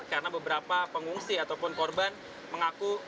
karena beberapa pengungsi ataupun korban mengaku